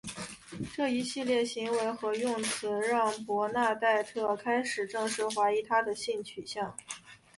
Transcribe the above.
这一系列行为和用词让伯纳黛特开始正式怀疑他的性取向。